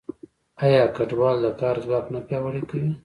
آیا کډوال د کار ځواک نه پیاوړی کوي؟